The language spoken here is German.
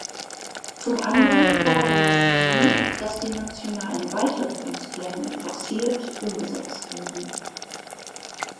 Zum anderen fordern Sie, dass die nationalen Weiterbildungspläne forciert umgesetzt werden.